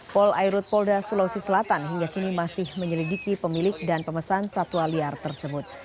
polairut polda sulawesi selatan hingga kini masih menyelidiki pemilik dan pemesan satwa liar tersebut